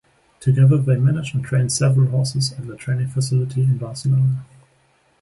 Together they manage and train several horses at their training facility in Barcelona.